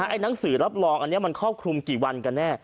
หนังสือรับรองอันนี้มันครอบคลุมกี่วันกันแน่